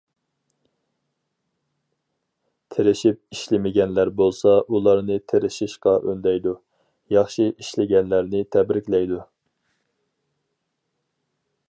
تىرىشىپ ئىشلىمىگەنلەر بولسا ئۇلارنى تىرىشىشقا ئۈندەيدۇ، ياخشى ئىشلىگەنلەرنى تەبرىكلەيدۇ.